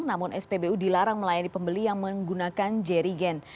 namun spbu dilarang melayani pembeli yang menggunakan jerigen